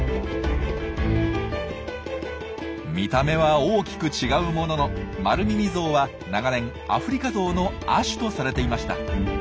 見た目は大きく違うもののマルミミゾウは長年アフリカゾウの亜種とされていました。